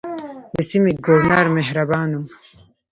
د سیمې ګورنر مهربان وو.